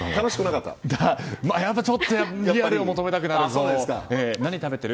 やっぱりちょっとリアルを求めたくなるので何食べてる？